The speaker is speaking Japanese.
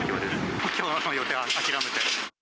もうきょうの予定は諦めて。